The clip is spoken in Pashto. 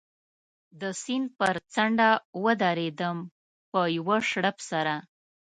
د سیند پر څنډه و درېدم، په یوه شړپ سره.